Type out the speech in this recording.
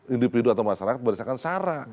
individu atau masyarakat meresahkan secara